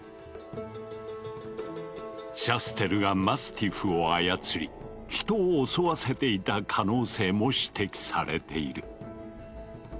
シャステルがマスティフを操り人を襲わせていた可能性も指摘されている。